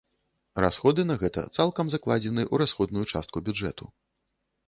Расходы на гэта цалкам закладзены ў расходную частку бюджэту.